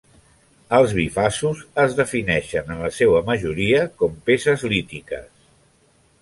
Els bifaços es defineixen en la seua majoria com peces lítiques.